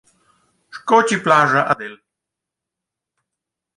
«Sco chi plascha ad El.»